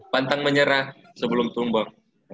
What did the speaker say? pantang menyerah sebelum tumbuh